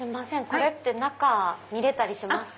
これって中見れたりします？